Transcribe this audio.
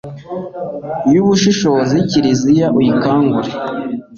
y'ubushishozi, kiliziya uyikangure